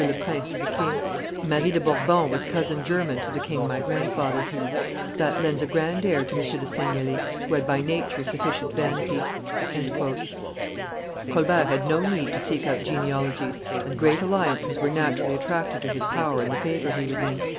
le Prince to the king; Marie de Bourbon was cousin german to the king my grandfather. That lends a grand air to M. de Seignelay, who had by nature sufficient vanity." Colbert had no need to seek out genealogies, and great alliances were naturally attracted to his power and the favor he was in.